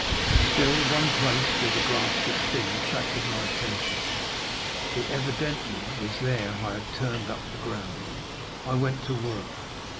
Still one place where the grass was thin attracted my attention; it evidently was there I had turned up the ground. I went to work.